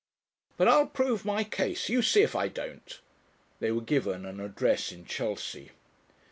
"But I'll prove my case. You see if I don't." They were given an address in Chelsea.